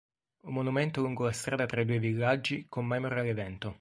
Un monumento lungo la strada tra i due villaggi commemora l'evento.